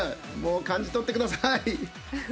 感じ取ってください！